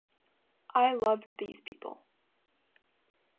I loved these people.